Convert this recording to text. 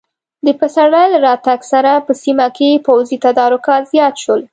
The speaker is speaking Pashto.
د پسرلي له راتګ سره په سیمه کې پوځي تدارکات زیات شول.